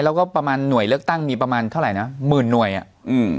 แล้วก็ประมาณหน่วยเลือกตั้งมีประมาณเท่าไหร่นะหมื่นหน่วยอ่ะอืม